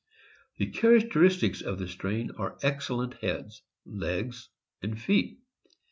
The characteristics of the strain are excellent heads, legs, and feet.